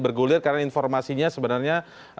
bergulir karena informasinya sebenarnya